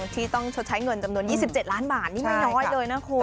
ที่ต้องชดใช้เงินจำนวน๒๗ล้านบาทนี่ไม่น้อยเลยนะคุณ